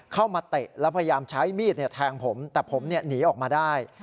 เตะแล้วพยายามใช้มีดแทงผมแต่ผมหนีออกมาได้